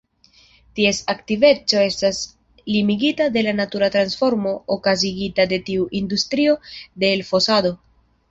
Ties aktiveco estas limigita de la natura transformo okazigita de tiu industrio de elfosado.